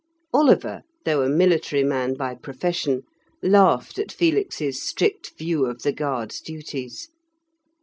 Oliver, though a military man by profession, laughed at Felix's strict view of the guards' duties.